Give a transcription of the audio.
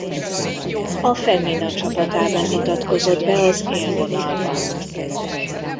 A Femina csapatában mutatkozott be az élvonalban.